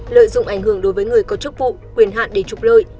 lợi dụng ảnh hưởng đối với người có chức vụ quyền hạn để trục lợi